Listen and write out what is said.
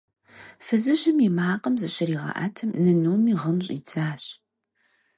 Фызыжьым и макъым зыщригъэӀэтым, нынуми гъын щӀидзащ.